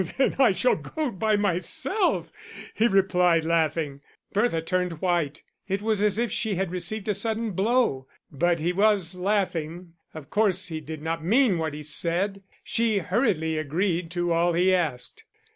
"Then I shall go by myself," he replied, laughing. Bertha turned white; it was as if she had received a sudden blow; but he was laughing, of course he did not mean what he said. She hurriedly agreed to all he asked.